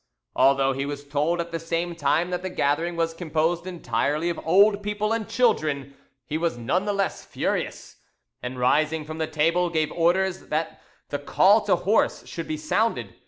Although he was told at the same time that the gathering was composed entirely of old people and children, he was none the less furious, and rising from the table, gave orders that the call to horse should be sounded.